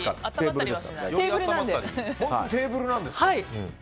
テーブルなんで。